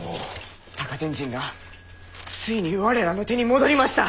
高天神がついに我らの手に戻りました！